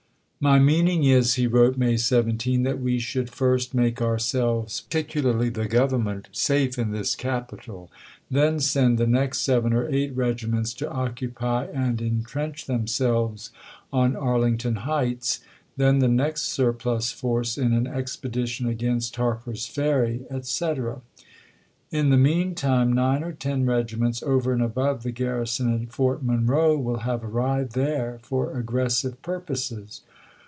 " My meaning is," he wrote May 17, " that we should first make ourselves, particularly the Government, safe in this capital; then send the next seven or eight regi ments to occupy and intrench themselves on Arlington Heights ; then the next surplus force in an expedition against Harper's Ferry, etc. In the mean time nine or ten regiments, over and above the garrison at Fort Monroe, will have arrived there for aggressive purposes.